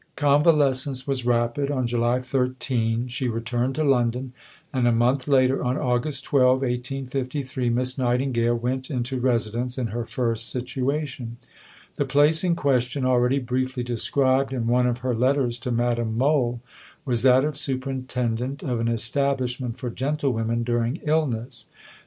IV Convalescence was rapid. On July 13 she returned to London, and a month later, on August 12, 1853, Miss Nightingale went into residence in her first "situation." The place in question, already briefly described in one of her letters to Madame Mohl, was that of Superintendent of an "Establishment for Gentlewomen during Illness."